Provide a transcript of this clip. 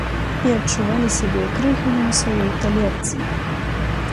І адчувалі сябе крыху не ў сваёй талерцы.